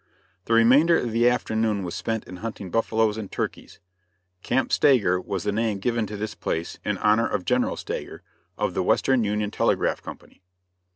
The remainder of the afternoon was spent in hunting buffaloes and turkeys. Camp Stager was the name given to this place, in honor of General Stager, of the Western Union Telegraph Company.